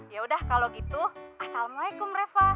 yaudah kalo gitu assalamualaikum reva